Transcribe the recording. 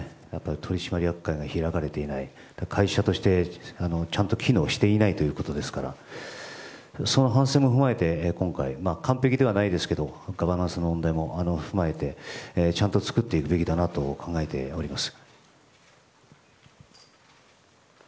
取締役会が開かれていないというのは会社としてちゃんと機能していないということですからその反省も踏まえて今回、完璧ではないですけどガバナンスの問題も踏まえてちゃんと作っていくべきだなと考えております。